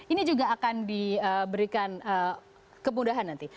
ini juga akan diberikan kemudahan nanti